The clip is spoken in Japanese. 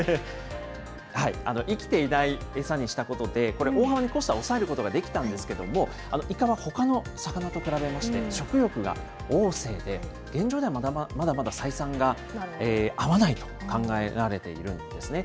生きていない餌にしたことで、大幅にコストは抑えることはできたんですけれども、イカはほかの魚と比べまして、食欲が旺盛で、現状ではまだまだ採算が合わないと考えられているんですね。